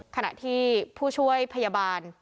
ขณะที่ผู้ช่วยพยาบาล